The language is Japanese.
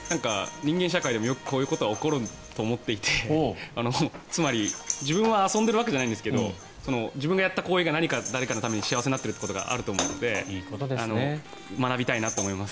人間社会でもこういうことはよく起こると思っていてつまり自分は遊んでいるわけじゃないんですけど自分がやった行為が誰かの何かのために幸せになっていることがあると思うので学びたいなと思います。